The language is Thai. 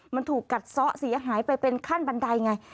มันถูกกัดซะเสียหายไปเป็นขั้นบันไดไง